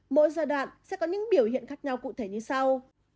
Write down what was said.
mỗi giai đoạn sẽ có những biểu hiện khác nhau cụ thể như sau